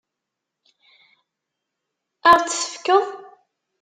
Ad ɣ-t-tefkeḍ?